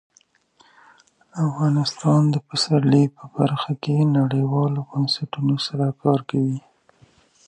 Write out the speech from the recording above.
افغانستان د پسرلی په برخه کې نړیوالو بنسټونو سره کار کوي.